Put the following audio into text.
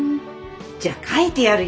じゃ書いてやるよ